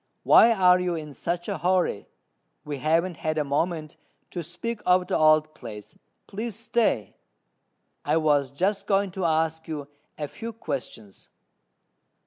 why are you in such a hurry; we haven't had a moment to speak of the old place. Please stay: I was just going to ask you a few questions."